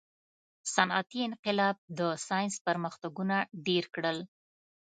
• صنعتي انقلاب د ساینس پرمختګونه ډېر کړل.